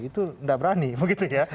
itu tidak berani begitu ya